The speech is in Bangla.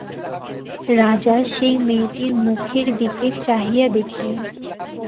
রাজা সেই মেয়েটির মুখের দিকের চাহিয়া দেখিলেন।